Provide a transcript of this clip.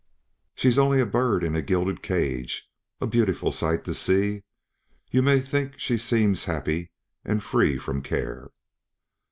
"She's o only a bird in a gil ded cage, A beautiful sight to see e e; You may think she seems ha a aappy and free from ca a re.."